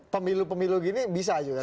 pemilu pemilu gini bisa juga